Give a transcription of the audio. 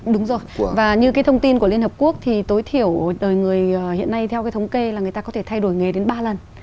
đúng rồi và như cái thông tin của liên hợp quốc thì tối thiểu đời người hiện nay theo cái thống kê là người ta có thể thay đổi nghề đến ba lần